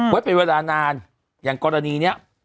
เว้ยไปเวลานานอย่างกรณีเนี่ย